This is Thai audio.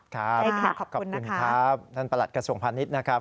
ค่ะได้ค่ะขอบคุณนะคะนั่นประหลัดกระสงค์พาณิชย์นะครับ